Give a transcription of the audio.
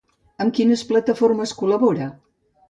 Amb quines plataformes col·labora?